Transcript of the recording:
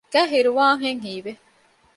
ގައި ހިރުވާހެން ހީވެ